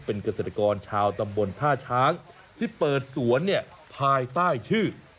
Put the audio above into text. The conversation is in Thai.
เป็นเกษตรกรชาวตำบลท่าช้างที่เปิดสวนเนี่ยภายใต้ชื่อ